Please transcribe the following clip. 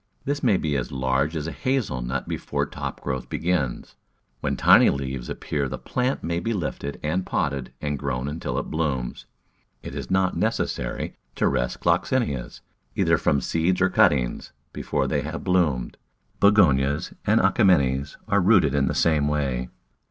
This may be as large as a hazel nut before top growth begins. When tiny leaves appear the plant may be lifted and potted and grown until it blooms. It is not necessary to rest Gloxinias— either from seeds or cuttings — before they have bloomed. Begonias and Achimenes are rooted in the same way.